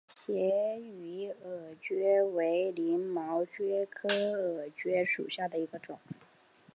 斜羽耳蕨为鳞毛蕨科耳蕨属下的一个种。